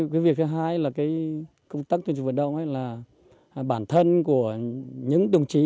cái việc thứ hai là cái công tác tuyên truyền vận động là bản thân của những đồng chí